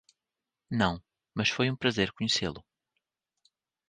Não, mas foi um prazer conhecê-lo.